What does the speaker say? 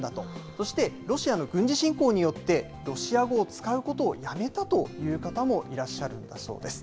そして、ロシアの軍事侵攻によって、ロシア語を使うことをやめたという方もいらっしゃるんだそうです。